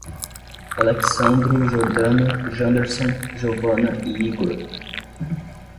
Alexsandro, Jordana, Janderson, Jeovana e Higor